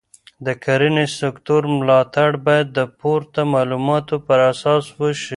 د کرنې سکتور ملاتړ باید د پورته معلوماتو پر اساس وشي.